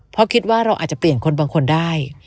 เพราะคิดว่าเราอาจจะเปลี่ยนคนบางคนได้